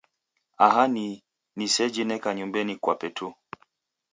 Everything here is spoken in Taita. Aha ni ni seji neka nyumbenyi kwape tu.